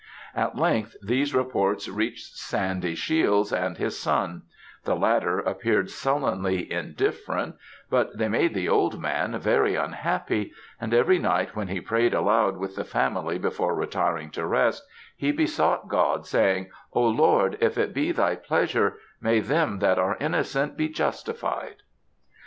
At length, these reports reached Sandy Shiels and his son; the latter appeared sullenly indifferent, but they made the old man very unhappy; and every night when he prayed aloud with the family before retiring to rest, he besought God, saying, "Oh Lord if it be thy pleasure, may them that are innocent be justified!"